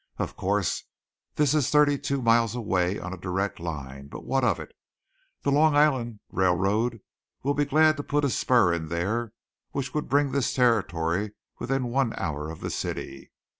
Of course, this is thirty two miles away on a direct line, but what of it? The Long Island Railroad will be glad to put a spur in there which would bring this territory within one hour of the city.